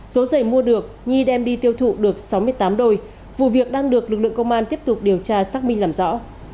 số giày mua được nhi đem đi tiêu thụ được sáu mươi tám đôi vụ việc đang được lực lượng công an tiếp tục điều tra xác minh làm rõ